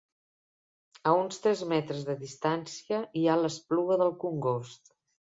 A uns tres metres de distància hi ha l'Espluga del Congost.